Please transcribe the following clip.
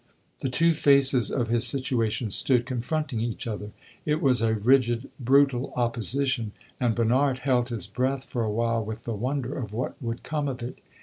The two faces of his situation stood confronting each other; it was a rigid, brutal opposition, and Bernard held his breath for a while with the wonder of what would come of it.